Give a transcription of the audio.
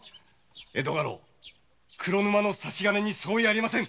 江戸家老・黒沼の差し金に相違ありませぬ！